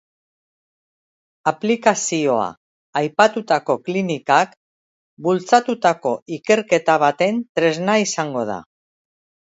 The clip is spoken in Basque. Aplikazioa aipatutako klinikak bultzatutako ikerketa baten tresna izango da.